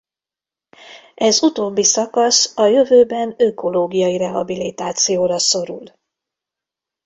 Ez utóbbi szakasz a jövőben ökológiai rehabilitációra szorul.